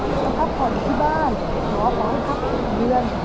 แล้วก็ต้องคิดว่าอยู่ที่บ้านนะ